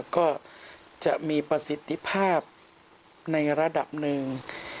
ก็จะมีประสิทธิภาพในระดับหนึ่ง